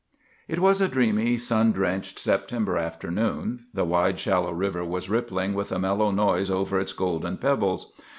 "It was a dreamy, sun drenched September afternoon. The wide, shallow river was rippling with a mellow noise over its golden pebbles.